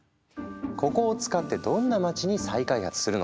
ここを使ってどんな街に再開発するのか。